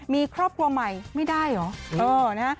มีครอบครัวใหม่ไม่ได้เหรอ